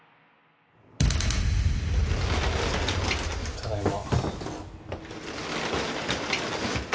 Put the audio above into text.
ただいま。